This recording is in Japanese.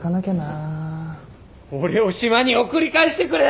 俺を島に送り返してくれ！